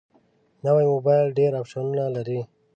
نوی موبایل ډېر اپشنونه لري